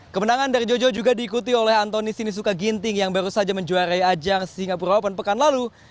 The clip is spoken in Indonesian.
kemenangan dari jojo juga diikuti oleh antoni sinisuka ginting yang baru saja menjuarai ajar singapura open pekan lalu